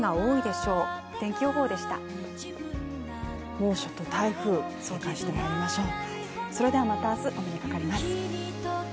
猛暑と台風、警戒してまいりましょう。